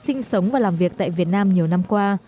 sinh sống và làm việc tại việt nam nhiều năm qua